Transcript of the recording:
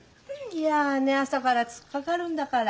嫌ねえ朝から突っかかるんだから。